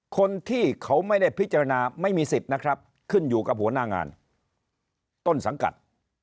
คนที่เขาไม่ได้พิจารณาไม่มีสิทธิ์นะครับขึ้นอยู่กับหัวหน้างานต้นสังกัด